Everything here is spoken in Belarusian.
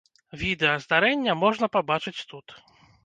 Відэа здарэння можна пабачыць тут.